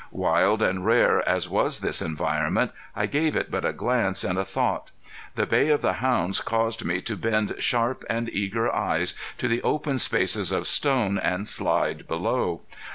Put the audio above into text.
Wild and rare as was this environment, I gave it but a glance and a thought. The bay of the hounds caused me to bend sharp and eager eyes to the open spaces of stone and slide below.